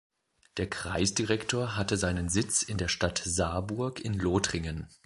Der Kreisdirektor hatte seinen Sitz in der Stadt Saarburg in Lothringen.